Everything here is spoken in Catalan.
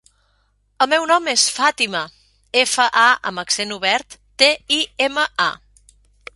El meu nom és Fàtima: efa, a amb accent obert, te, i, ema, a.